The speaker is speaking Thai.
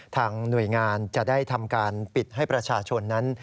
หน่วยงานจะได้ทำการปิดให้ประชาชนนั้น